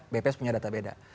bps punya data beda